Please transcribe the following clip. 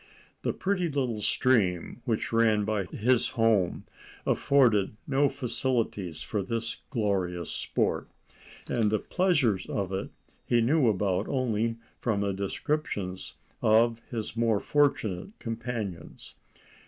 The pretty little stream which ran by his home afforded no facilities for this glorious sport, and the pleasures of it he knew about only from the descriptions of his more fortunate companions.